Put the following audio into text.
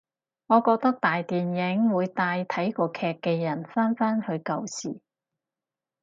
我覺得大電影會帶睇過劇嘅人返返去舊時